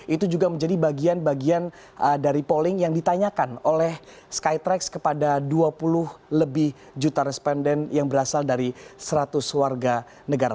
itu juga menjadi bagian bagian dari polling yang ditanyakan oleh skytrax kepada dua puluh lebih juta responden yang berasal dari seratus warga negara